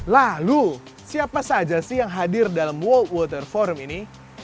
lalu siapa saja sih yang hadir dalam world water forum ini